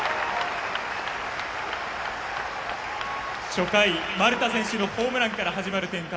初回、丸田選手のホームランから始まる展開